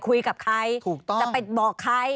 คุยกับใครจะไปบอกใคร